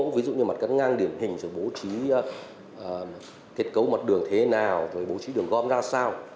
ví dụ như mặt cắn ngang điểm hình bố trí thiết cấu mặt đường thế nào bố trí đường gom ra sao